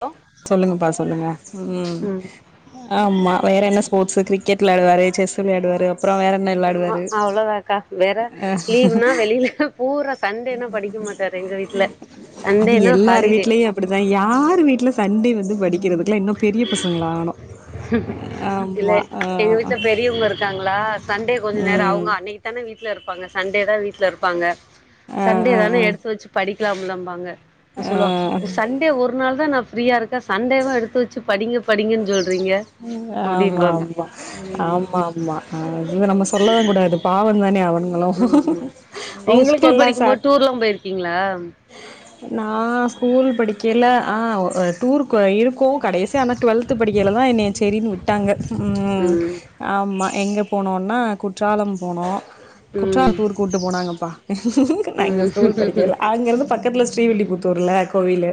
hello சொல்லுங்கப்பா சொல்லுங்க உம் ஆமா வேற என்ன ஸ்போர்ட்ஸ் கிரிக்கெட் விளாயாடுாரு செஸ் விளையாடுாரு ஆ அவ்ளோதாக்கா வேற அ லீவ்னா வெளியில பூரா சண்டேனா படிக்க மாட்டாரு எங்க வீட்டு்ல அது எல்லார் வீட்லயும் அப்டித்தான் யார் வீட்டுல சண்டே வந்து படிக்கிறதுக்குல்லாம் இன்னும் பெரிய பசங்களா ஆகணும் இல்ல எங்க வீட்டுல பெரியவங்க இருக்காங்களா சண்டே கொஞ்ச நேரம் ம் அவுக அன்னை க்குதான வீட்ல இருப்பாங்க சண்டே தான் வீட்ல இருப்பாங்க ஆ சண்டே ஆ தான எடுத்து ஆ வச்சு படிக் லாம்பாங்க அப்ப சொல்லுவாங் ஆ சண்டே ஒரு நாள் தா நா ஃபீரியா இருக்கேன் சண்டேவு எடுத்து வ ச்சு படிங்க படிங்கன்னு சொல்றீங்க ஆமா அப்டிம்பாங்க ஆமா ம் ஆமா ஆமா அ இவன் நம்ம சொல்லவும் கூடாது பாவம் தான அவன் ஆமா நீங்க ஸ்கூல் படிக்கும் போது சாட் டூர்லா போயிருக்கீங்களா நா ஸ்கூல் படிக்கல ஆ ஒ டூர் இருக்கும் கடைசி ஆனா டுவெல்த் படிக்கில தான் என்னைய செரின்னு விட்டாங்க ம் ஆமா எங்க போனோன்னா குற்றாலம் போனோம் குற்றாலொ ம் டூர் கூப்ட்டு போனாங்கப்பா நா எங்க ம் ஸ்கூல் படிக்கயில அங்க இருந்து பக்கத்துல் ஸ்ரீவில்லிபுத்தூர்ல கோவில்லு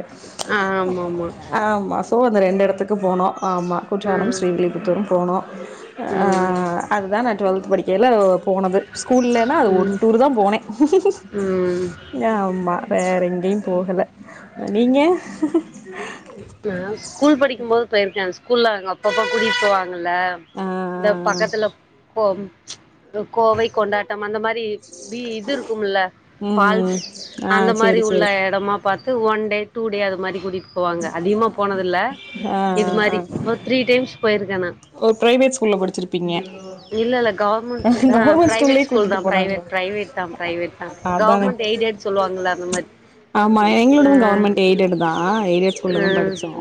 ஆ ஆமா ஆமா ஆமா சோ அந்த ரெண்டு எடத்துக்கு போனோம் ஆமா ஆ குற்றாலம் ஸ்ரீவில்லிபுத்தூரும் போனோம் அ ம் அதுதான் நா டுவெல்த் படிக்கையில போனது ஸ்கூல்லன்னா அது ஒரு ம் டூர் தான் போனேன் ம் எ ஆமா வேற எங்கேயு போகல நீங்க நா ஸ்கூல் படிக்கும் போது போயிருக்கே ஸ்கூல்ல அங்க அப்பப்ப கூடிட்டு போவாங்க இல்ல ஆ இந்த பக்கத்துல போ கோவை கொண்டாட்டம் அந்த மாரி பி இது இருக்கும்ல ம் ஃபால்ஸ் ஆ அந்த மாரி சேரி உள்ள சேரி எடமா பாத் து ஒன் டே டூ டே அது மாரி கூட்டிட்டு போவாங்க அதிகமா போனதுல்ல ஆ இது மாரி ஒரு த்ரீ டைம்ஸ் போயிருக்கு நா ஓ பிரைவேட் ஸ்கூல்ல படிச்சிருப்பீங்க இல்ல இல்ல கவர்மெண்ட் ஆ கவர்மெண்ட் பிரைவேட் ஸ்கூல்லயே ஸ்கூல் கூட்டிட்டு தா பிரைவேட் போனாங்களா ப்ரைவேட்தா பிரைவேட்தா அதானே கவர்மெண்ட் எய்டடுன்னு சொல்லுவாங்கல்ல அந்த மாரி ஆமா ஆ எங்களோடதும் கவர்மெண்ட் எய்டடு தா எய்டடு ஆ ஸ்கூல்லதா படிச்சோ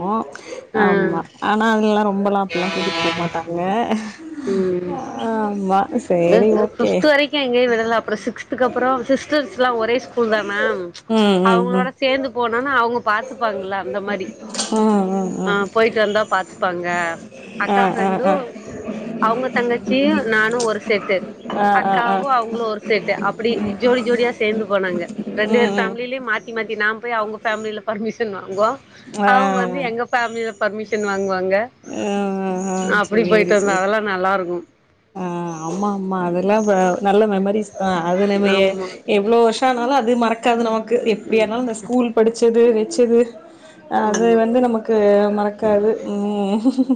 ஆ ஆமா ஆனா அதுலலா ரொம்பலா அப்டிலா கூட் டு போ மாட்டாங்க, ஆமா இ சேரி ஓகே பிப்த் வரைக்கு எங்கேயு விடல அப்றோ சிக்ஸ்துக்கு அப்புறோ சிஸ்டர்ஸ் எல்லா ஒரே ஸ்கூல்தானா ம் ம் ம் அவுங்களோட சேந்து போனன்னா அவுங்க பாத்துப்பாங்கல்ல அந்த மாரி ம், ம், ம் ட்டு வந்தா பாத்துப்பாங்க ஆ அக்கா ஆ ஃபிரெண்டு ஆ அவுங்க தங்கச்சியு நானு ஒரு செட்டு ஆ ஆ ஆ அக்காவு அவுங்களு ஒரு செட்டு அப்டி ஜோடி ஜோடியா சேந்து போனங்க ரெண்டு ம் பேர் ம் ஃபேமிலிலயு மாத் தி மாத்தி நா போய் அவுங்க ஃபேமிலில பர்மிஷன் வாங்குவோ ஆ அவுங்க வந்து எங்க ஃபேமிலில பர்மிஷன் வாங்குவாங்க ஆ ஆ அப்டி சேரி போயிட்டு வந்தோ சேரி அதெல்லா நல்லா இருக்கு ஆ ஆமா ஆமா அதெல்லா அ நல்ல மெமரிஸ்தா அது நம்ம எப் ஆமா எவ்ளோ வருஷ ஆனாலு அது மறக்காது நமக்கு எப்டியா இருந்தாலு அந்த ஸ்கூல் படிச்சது வச்சது அது ஆமா வந்து நமக்கு மறக்காது, ம் ம்,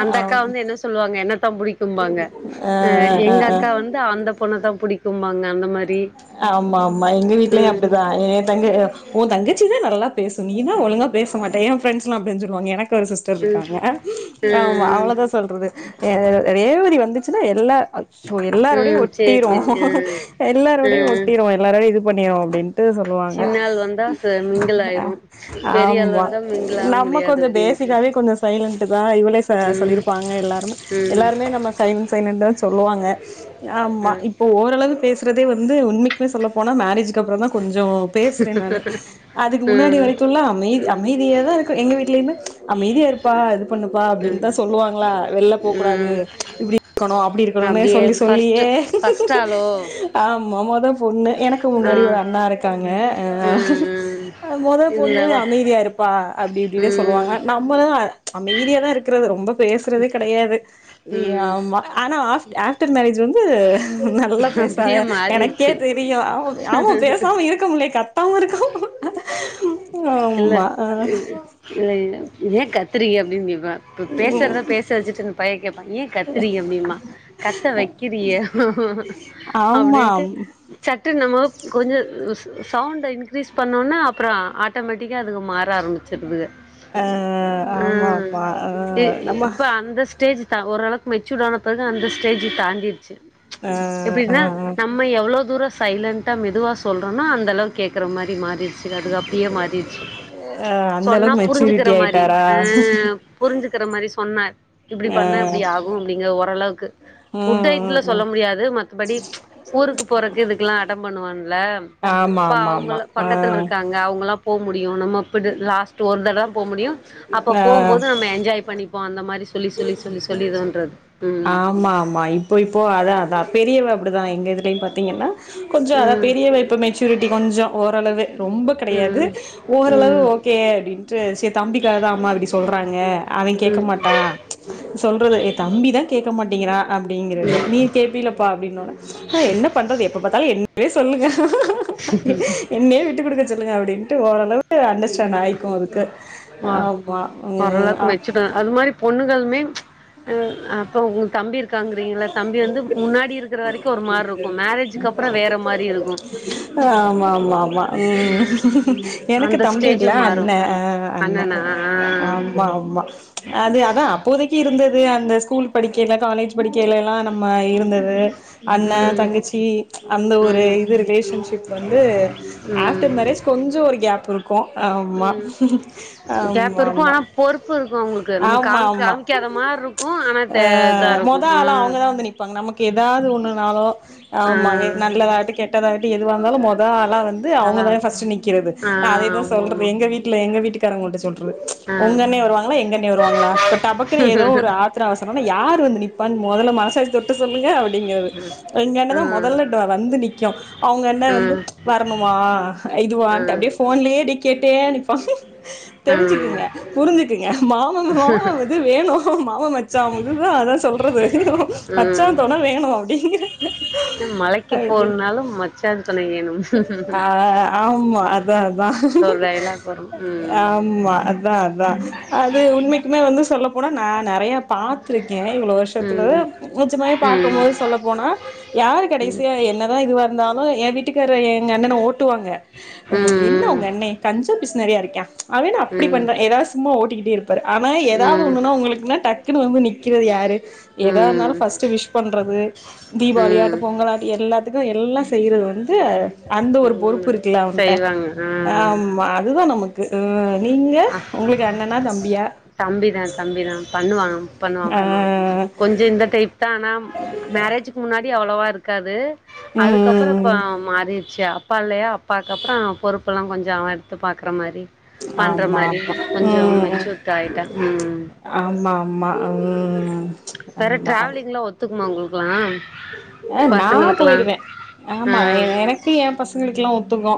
அந்த ஆ அக்கா வந்து என்ன சொல்லுவாங்க என்னத்தா புடிக்கும்பாங்க ஆ அ ஆ எங்க ஆ அக்கா வந் து அந்த பொண்ணதா புடிக்கும்பாங்க அந்த மாரி ஆமா ஆமா எங்க வீட்லயு ம் அப்டிதா எ தங்க உ தங்கச்சிதா நல்லா பேசும் நீதா ஒழுங்கா பேச மாட்ட எ ஃப்ரெண்ட்ஸ் எல்லா அப்டிதா சொல்லுவாங்க எனக்கு ஒரு சிஸ் டர் ம் இருக்காங்க அ ஆமா ம் ம் அவ்ளோதா சொல்றது எ ரேவதி வந்துச்சுன்னா எல்லா சோ எல்லாரோடையு ம் சேரி ஒட்டிரு சேரி ஆ ஆ எல்லாரோடையு ஒட்டிரும் எல்லாரோடையு இது பண்ணிரு அப்டின்ட்டு சொல் லுவாங்க சின்னாள் வந்தா ச மிங்கிள் அ ஆயிரு பெரியாள் ஆமா வந்தா மிங்கிள் ஆக நம்ம முடியாது கொஞ்சோ அப்டின்ட்டு பேசிக்காவே கொஞ்சோ சைலண்ட்தா இவளே சொ ம் சொல்லிருப்பாங்க எல்லாருமே ம் எல்லாருமே நம்ம சை சைலண்ட்டுதா சொல்லுவாங்க ஆமா ம் இப்ப ஓரளவு பேசுறதே வந் து உண்மைக்குமே சொல்ல போனா மேரேஜ்க்கு அப்புறோதா கொஞ்சோ பேசுறே நானு அதுக்கு முன்னாடி ம் வரைக்கும்லா அமை அமைதியாதா இருக்கு எங்க வீட்லயுமே அமைதியா இருப்பா பொண்ணுப்பா ம் அப்டிதா சொல்லுவாங்களா வெளில போ கூடாது ம் இப்டி இருக்கணு அப்டி இருக்கணுனே சொல்லி சொல்லியே ட்டாலோ ஆமா மொதா பொண்ணு எனக்கு முன்னாடி ஒரு அண்ணா இருக்காங்க அ ம் ம் அது மொத பொண்ணு இருந்தாலு அமைதியா இருப்பா அப்டி இப்டினே சொல்லுவாங்க ம் ந ம்மதா அமைதியாதா இருக்கிறது ரொம்ப பேசுறது கடையாது இ ம் ஆமா ஆனா ஆஃப் ஆஃப்டர் மேரேஜ் வந்து நல்லா பேச ப அப்டியே எனக்கே மாறிருச்சு தெரியு அவு அவுங் பேசாம இருக்க முல்யே கத் இல்ல ஆமா ஆ இல்ல இல்ல ஏ கத்துரீங்க அப்டின் கேப்ப பு பேசற்தா பேச வச்சிட்டு இந்த பைய கேட்பா ஏ கத்துரங்க அப்டிம்பா கத்த வக்கிறியே ஆமாம் சட்டுன் நம்மோ கொஞ்ச உ சு சவுண்ட இன்க்ரீஸ் பண்ணோனா அப்புறோ ஆட்டோமேட்டிக்க அதுக மாற ஆரம்மிச்சிருதுக ஆ ஆமா ம் ஆமா ஆ இ நம்ம இப்ப அந்த ஸ்டேஜ் தா ஓரளவு மெச்சூட் ஆன பெறகு அந்த ஸ்டேஜி தாண்டிருச்சு ஆ ஆ எப்புடினா நம் ம்ம எவ்வளோ தூர சைலண்ட்ட மெதுவா சொல்றனோ அந்தளவு கேக்ற மாரி மாறிர் சிலதுக அப்டியே மாறிர்ச்சு ஆ அந்த சொன்னா அளவுக்கு புரிஞ்சுக்குற மெச்சூரிட்டி மாரி ஆயிட்டாரா அ புரிஞ்சுக்குற மாரி சொன்னா இப்டி பண்ணா இப்டி ஆகு அப்டிங்கிற ஓரளவுக்கு ஆ ம் ஃபுட் ஐத்துல ம் சொல்ல ம் முடியாது மத்தபடி ஊருக்கு போறக்கு இதுக்குல்லா அடம் பண்ணுவான்ல ஆமா அப்ப ஆமா ஆமா அவ்ங்கள ஆ பக்கத்துல்ருக்காங்க அவ்ங்கல்லா போக முடியு நம்மப்பிடு லாஸ் ஒரு தடதா ப முடியு அப்ப ஆ போகம்போது நம்ம என்ஜாய் பண்ணிப்போ அந்த மாரிஸ் சொல்லி சொல்லி சொல்லி சொல்லி தோன்றது ம் அம்மா ஆம்மா இப் போய்ப்போ அதா அதான பெரியவ அப்புடிதா எங்க இதுலயு பாத்திங்கன்னா கொஞ்ச அதா ம் பெரியவ இப்ப மெச்சூரிட்டி கொஞ்ச ஓரளவு ரொம்ப கெடயாது ம் ஓரளவு ஓகே அப்டின்ட்டு சேர் தம்பிக்காகதா அம்மா அப்பிடி சொல்றாங்க அவெ ம் கேக்க ம் மாட்டா சொல்றது எ தம்பிதா கேக்க மாட்டேங்கிறா அப்டிங்கிறது ம் நீ கேப்பில்லப்பா அப்டிங்குறது அ என்ன பண்றது எப்ப பாத்தாலு என்வே சொல்லுங்க என்னே விட்டுக் குடுக்க சொல்லுங்க அப்டின்ட்டு ஓரளவு அண்டர்ஸ்டாண்ட் ஆயிக்கு அதுக்கு ஓர் ஆம்மா ம் ஓரளவுக்கு மெச்சூர்டு அது மாரி பொண்ணுகளுமே அப்ப உங்ளுக் தம்பி இர் காங்குறிங்கள்ல தம்பி வந்து முன்னாடி இருக்குற வரக்கு ஒரு மாரி இருக்கு மேரேஜிக்கு அப்புற வேற மாரி இருக்கு ஆமாமாமா ம் எனக்கு அந்த தம்பி ஸ்டேஜு இல்ல மாறு அண்ண அண்ண அண்ணனா ஆ ஆம் மா அம்மா அது அதா அப்போதைக்கு இருந்தது அந்த ஸ்கூல் படிக்கயில காலேஜ் படிக்கயில அ நம்ம இருந்தது அண்ண ம் தங்கச்சி அந்த ஒரு ம் இது ரிலேஷன்ஷிப் வந்து ம் ஆஃப்டர் மேரேஜ் கொஞ்சோ ஒரு கேப் இருக்கு ஆம்மா கேப்ப இருக்கு ஆனா பொறுப்பு இருக்கு அவுங்ளுக்கு நம்மக் ஆமா காமி ஆமா காமிக்காத மார் இருக்கு ஆனா த அ இதா இருக்கு மொத ஆளா ம் அவவுங்கதா வந்து நிப்பாங்க நமக்கு எதாவ்து ஒன்னுனாலு ஆமா ஏ ஆ நல்லதாகுட்டு கெட்டதாகு எதுவ இருந்தாலு மொத ஆளா வந்து அவுங்க அதா தானே ஃபஸ்ட்டு நிக்கிறது ஆ நா அதேதா ஆமா ஆமா சொல்றது எங்க வீட் இல்ல எங்க வீட்டுக்காரவுங்கள்ட்ட சொல்றது ஆ உங்கண்ணே வருவாங்ளா எங்கண்ணே வருவாங்ளா இப்ப டாபக்குன்னு ஏதோ ஒரு ஆர் த்ர அவசரன்னா யார் வந்து நிப்பான் மொதல்ல மனசாட்சி தொட்ட சொல்லுங்க அப்டிங்கிறது ஆ எங்கணணதா மொதல்ல ட வந்து நிக்கு அவுங்க என்ன வந்து ஆ வரணுமா இதுவான்ட்டு ம் அப்டியே ஃபோன்லயே டி கேட்டே நிப்பா ம் தெரிஞ்சுக்குங்க புரிஞ்சுக்குங்க மாம மாம இது வேணு மாம மச்சா இதுதா அதா சொல் மச்சா ம் தொண வேணு அப்டிங்கிறது மலைக்கு அப்டி போகணுனாலும் மச்சான் துணை வேணும் ஆ ஆம்மா அத் அதா அதா இந்த ஒரு டைலாக் வரும் ம் ஆம்மா அதா அதா அது உண்மைக்குமே வந்து சொல்ல போனா நா நெறைய பாத்திருக்கே இவ்ளோ வரு த்துல ம் [unintelligible] ம் பாக்கும்போது சொல்ல போனா யார் ம் கடைசிய என்னதா இதுவா இருந்தாலு ஏ வீட்டுக்காரரு எங்க அண்ணன ஓட்டுவாங்க என்ன உங்க ம் அண்ணன கன்ஜ பிஸ்னாரியா இருக்க அவ என்ன ம் அப்படி ம் பண்றா ஏதாவது சும்மா ஓட்டிக்கிட்டே இருப்பா ரு ஆனா ஏதாவது ஒண்ணுன்னா உங்களுக்குனா டக்குன்னு வந்து நிக்கிறது யாரு எதா இருந்தாலு ம் ம் ஃபஸ்ட்டு விஷ் பண்றது தீபாவளி ஆட்டு ம் பொங்கல்லாட்டு எல்லாத்துக்கு எல்லா செய்யறது வந்து அந்த ஒரு பொறுப்பு ம் இருக்குல அவன்ட்ட செய்வாங்க ஆமா அதுதா நமக் கு ம் நீங்க உங்களுக்கு அண்ணனா தம்பியா தம்பி தா தம்பி தா பண்ணுவா பண்ணுவா ஆ பண்ணுவா கொஞ்ச இந்த டைப் தா ஆனா மேரேஜ்க்கு முன்னாடி அவ்ளவா இருக்காது அதுக்கப்றோ இப்ப ம் மாறிடுச்சு அப்பா இல்லயா அப்பாக்கு அப்றோ பொறுப்பெல்லா கொஞ்சோ அவ எடுத்து பாக்குற மாரி பண்ற ஆமா ஆமா மாரி கொஞ்சோ ம் ம் மெச்சூர்ட் ஆயிட்டா ம் ஆமா ஆமா ம் வேற ஆமா ட்ராவலிங்ல்லா ஒத்துக்குமா உங்களுக்குல்லா ஆ நா போயிருவே ஆ ஆமா எனக் ஏ பசங்களுக்குல்லா ஒத்துக்கு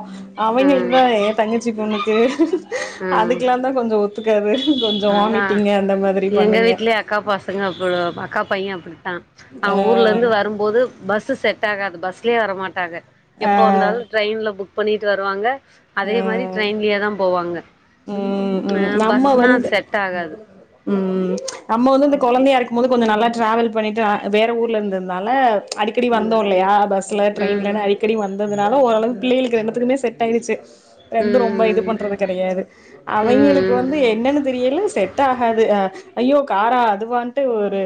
அவங்களுக்கு ம் தா ஏ தங்கச்சி பொண்ணுக்கு ம் அதுக்கெல்லா ந்தா கொஞ்சோ ஒத்துக்காது கொஞ்சோ அதா வாமிட்டிங்க அந்த மாதிரி எங்க பண்ணுங்க வீட்லயே அக்கா பசங்க அப்ப அக்கா பைய அப்பிடித்தா ஆ அவங்க ஊர்ல இருந்து வரும்போது பஸ் சு செட் ஆகாது பஸ்லேயே வர மாட்டாங்க ஆ எப்போ வந்தாலு ட்ரெயின்ல புக் பண்ணிட்டு வருவாங்க அதே மாரி ஆ ட்ரெயின்லேயே தா போவாங்க ம் ஆ ம் பஸ்னா [inaudible] செட் ஆகாது ம் நம்ம வந்து இந்த கெழந்தயா இருக்கும் போது கொஞ்சோ நல்லா ட்ராவல் பண்ணிட்டு வேற ஊர்ல இருந்ததுனால அடிக்கடி வந்தோ ம் இல்லயா பஸ்ல ம் ட்ரெயின்லன்னு அடிக்கடி வந்ததுனால ஓரளவு பிள்ளைகளுக்கு ரெண்டுத்துக்குமே செட் ஆகிடுச்சு ரெண்டு ரொம்ப இது ம் பண்றது கெடையாது ம் ம் அவைங்களுக் கு ம் வந்து என்னன்னு தெரியல செட் ஆகாது ஐய்யோ காரா அதுவான்ட்டு ஒரு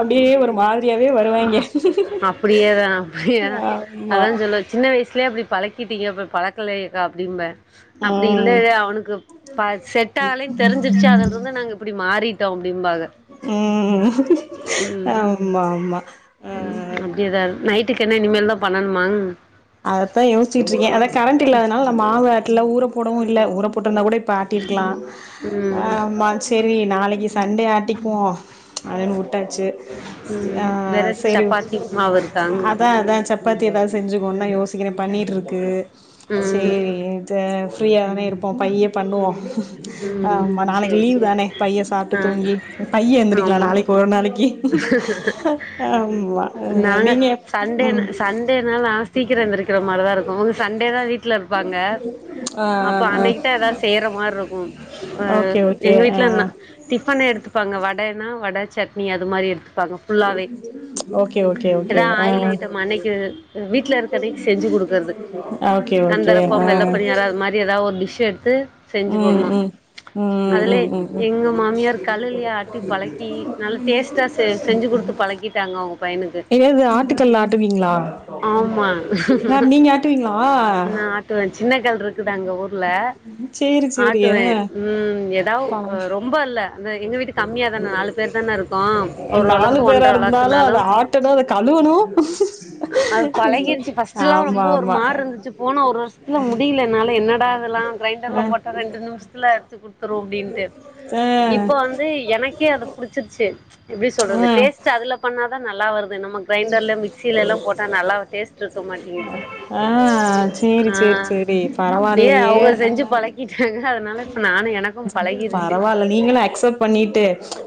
அப்டியே ஒரு மாதிரியாவே ஆ வருவாங்கே அப்படியேதா அப்படியேதா ஆமா அதா சொல்லுவ சின்ன வயசுலயே அப்டி பழக்கீட்டிங்க இப்போ பழக்கலக்கா அப்டிம்பே அப்டி ம் இல்லல அவனுக்கு ப செட்டாலன்னு தெரிஞ்சிருச்சு அதுனால நாங்க இப்டி மாறிட்டோ அப்டிம்பாக ம் ஆமா ஆமா ம் ஆ அப்டியேதா நைட்டுக்கு என்ன இனிமேல் தா பண்ணணுமா அததா யோச்சிக்கிட்டு இருக்கே அதா கரண்ட் இல்லாதனால நம்ம மாவு ஆட்டல ஊர போடவு இல்ல ஊர போட்டிருந்தா கூட இப் ப்ப ஆட்டி இருக்கலா ம் ஆ மாச் செரி நாளிக்கி சண்டே ஆட்டிக்குவோ அப்டினு விட்டாச்சு ம் ஆ வேற சேரி சப்பாத்தி மாவு இருக்காங் அதா அதா சப் பாத்தி எதாவது செஞ்சுக்கோனா யோசிக்கிறே பன்னீர் இருக்கு ம் செரின்னு ஃப்ரீயா தானே இருப்போ பைய பண்ணுவோ ஆ ம் ஆமா நாளிக்கி சேரி லீவ் சேரி தானே பைய சாப்ட்டு ஆ தூங்கி பைய எந்திரக்கலா ஆமா நாளிக்கி ஒரு நாளிக்கி நாங்க நீங்க சண்டே ம் சண்டேனா சீக்கிரோ எந்திருக்கிற மாரிதா இருக்கு சண்டே தா வீட்ல இருப்பாங்க ஆ அப்ப ஆ அன்னிக்கி தா ஏதாவது செய்யற மாரி இருக்கு ஆ ஓகே ஓகே எங்க ஆ வீட்ல என்ன டிஃபனே எடுத்துப்பாங்க வடனா வட சட்னி அது மாரி எடுத்துப்பாங்க ஃபுல்லாவே ஒ ஓகே ஓகே ஓகே ஏதா ஆ ஆயில் ஆ ஐட்டம் அன்னைக்கு வீட்ல இருக்க அன்னைக்கு செஞ்சு குடுக்கறது அ ஓகே ஓகே கந்தரப்பம் ஆ வெள்ள பணியாரோ அது மாரி ஏதாவது ஒரு டிஷ் எடுத்து செஞ்சு ம் போடுமா ம் ம் அதுலய ம் ம் ம் எங்க மாமியார் கழுலையா ஆட்டி பழக்கி நல்ல டேஸ்ட்டா செ செஞ்சு குடுத்து பழக்கி ட்டாங்கோ ஏது ஆட்டுக்கல்ல ஆட்டுவீங்களா ஆமா யார் நீங்க ஆட்டுவீங்களா நா ஆட்டுவே சின்ன கல் இருக்குது அங்க ஊர்ல சேரி சேரி ஆ ஆட்டுவே ம் ஏதாவ் பா ரொம்ப இல்ல அந்த எங்க வீட்டு கம்மியா தான நாலு பேர் தான இருக்கோ ஒரு நாலு வழக்கு ஒன்ற பேரா இருந்தாலு வழக்குனாலு அத ஆட் ட்டானு அத கழுவனு அது பழகிடுச்சு பர்ஸ்ட்ல்லா ரொம்ப ஒரு ஆமா மாற் இருந்துச்சு போனா ஒரு வருஷத்துல முடியல என்னால என்னடா இதெல்லா ஆ கிரைண்டர்ல போட்டா ரெண்டு நிமிஷத்துல எடுத்து குடுத்துரு அப்டின்ட்டு ஆ இப்ப வந்து எனக்கே அத புடிச்சிருச்சு எப்டி சொல்றது ஆ டேஸ்ட்டு அதுல பண்ணாதா நல்லா வருது நமக்கு கிரைண்டர்ல மிக்சில எல்லா போட்டா நல்லா டேஸ்ட் இருக்க மாட்டேங்கி ஆ செரி செரி செரி பரவாயில்லயே செஞ்சி ஆ பழக்கிட்டாங்க அதனால இப்ப நானு எனக் பரவால்ல நீங்களு அக்செப் பண்ணிட்டு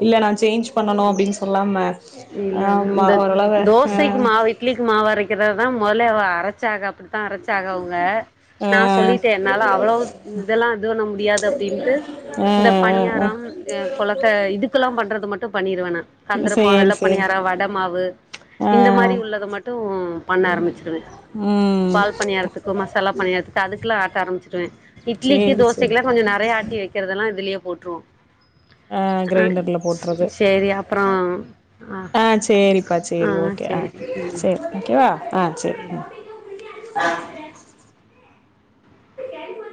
இல்ல நா சேஞ்ச் பண்ணனு அப்டின்னு சொல்லாம இல்ல இல்ல ஆமா இந்த ஓரளவு ஆ தோசைக்கு மாவு இட்லிக்கு மாவ அரைக்கிறதுதா மொதலே அவ அரைச்சாக அப்படிதா அரைச் சாக அவங்க ஆ நா சொல்லிட்டே என்னால அவ்ளோ இதெல்லா இது பண்ண முடியாது அப்படின்ட்டு இந்த ஆ ஆ பணியாரம் அ கொழக்க இதுக்கெல்லா பண்றது மட்டு பண்ணிருவேனா கந்திர சேரி சேரி வட மாவு ஆ இந்த மாரி உள்ளத மட்டு பண்ண ஆரம்பிச்சிருவே ம் பால் பனியாறத்துக்கு மசாலா பணியாரத்துக்கு அதுல்லா ஆட்ட ஆரம்பச்சிருவே இட்லிக்கு சேரி சேரி தோசைக்கெல்லா கொஞ்சோ நறைய ஆட்டி வைக்கிறதுதெல்லா இதுலயே போட்டுருவோ ஆ அ கிரைண்டர்ல போட்றது செரி அப்பறோ ஆ செரிப்பா சரி ஓகே ஆ சேரி ம் செரி ஓகேவா ஆ செரி ம் [inaudible] [unintelligible]